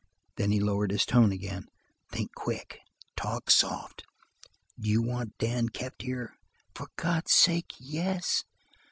Then he lowered his tone again. "Think quick. Talk soft. Do you want Dan kept here?" "For God's sake, yes."